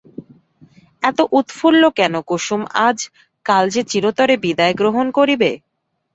এত উৎফুল্ল কেন কুসুম আজ, কাল যে চিরতরে বিদায় গ্রহণ করিবে?